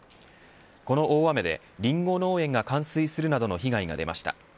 この大雨でリンゴ農園が冠水するなどの被害が出ました。